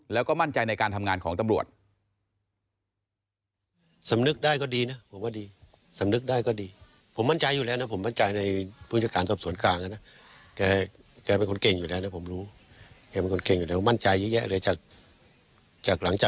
แล้วก็มั่นใจในการทำงานของตำรวจ